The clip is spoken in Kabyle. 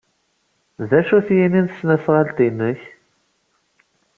D acu-t yini n tesnasɣalt-nnek?